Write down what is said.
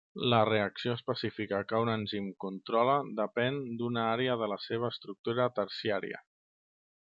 La reacció específica que un enzim controla depèn d'una àrea de la seva estructura terciària.